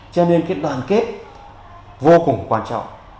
cho nên cái đoàn kết vô cùng quan trọng